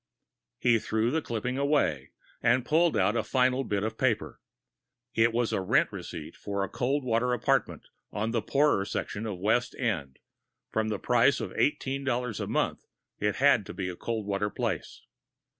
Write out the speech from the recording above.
He threw the clipping away, and pulled out the final bit of paper. It was a rent receipt for a cold water apartment on the poorer section of West End from the price of eighteen dollars a month, it had to be a cold water place.